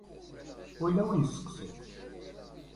Ula wi nesteqsi.